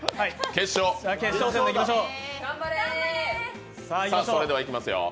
決勝戦でいきましょう。